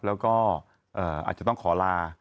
แล้วก็อาจจะต้องขอลา